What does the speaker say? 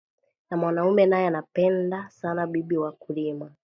Na mwanaume naye anapendaka sana bibi waku rima